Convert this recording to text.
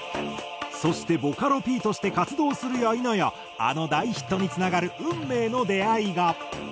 そしてボカロＰとして活動するや否やあの大ヒットにつながる運命の出会いが。